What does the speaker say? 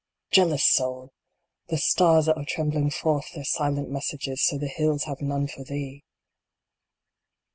Jealous Soul ! The stars that are trembling forth their silent messages to the hills have none for thee